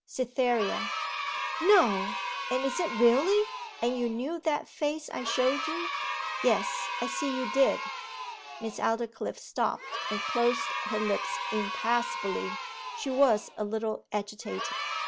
'Cytherea.' 'No! And is it really? And you knew that face I showed you? Yes, I see you did.' Miss Aldclyffe stopped, and closed her lips impassibly. She was a little agitated.